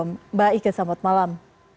mbak ika selamat malam